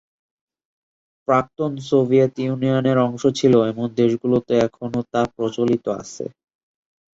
প্রাক্তন সোভিয়েত ইউনিয়নের অংশ ছিল এমন দেশগুলোতে এখনো তা প্রচলিত আছে।